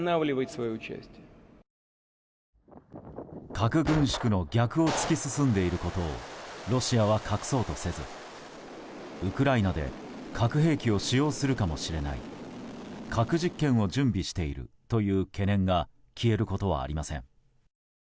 核軍縮の逆を突き進んでいることをロシアは隠そうとせずウクライナで核兵器を使用するかもしれない核実験を準備しているという懸念が消えることはありません。